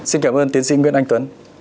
xin cảm ơn tiến sĩ nguyễn anh tuấn